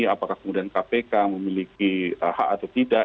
apakah kemudian kpk memiliki hak atau tidak